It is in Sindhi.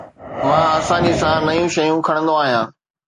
مان آساني سان نيون شيون کڻندو آهيان